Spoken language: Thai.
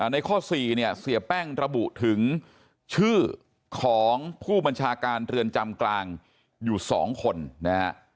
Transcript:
ในข้อ๔เนี่ยเสียแป้งระบุถึงชื่อของผู้บัญชาการเรือนจำกลางอยู่๒คนนะฮะ